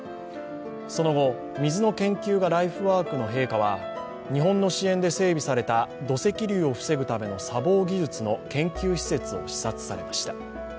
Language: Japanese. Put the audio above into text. その後、水の研究がライフワークの陛下は日本の支援で整備された土石流を防ぐための砂防技術の研究施設を視察されました。